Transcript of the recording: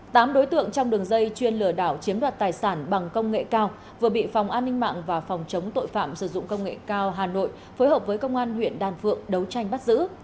tám đối tượng trong đường dây chuyên lừa đảo chiếm đoạt tài sản bằng công nghệ cao vừa bị phòng an ninh mạng và phòng chống tội phạm sử dụng công nghệ cao hà nội phối hợp với công an huyện đàn phượng đấu tranh bắt giữ